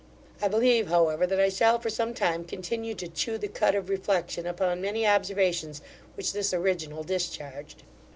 I believe, however, that I shall for some time continue to chew the cud of reflection upon many observations which this original discharged.